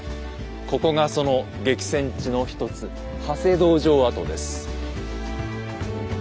ここがその激戦地の一つ長谷堂城跡です。